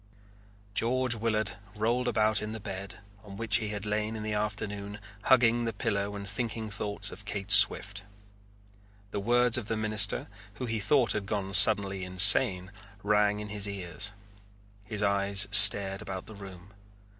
George Willard rolled about in the bed on which he had lain in the afternoon hugging the pillow and thinking thoughts of Kate Swift. The words of the minister, who he thought had gone suddenly insane, rang in his ears. His eyes stared about the room.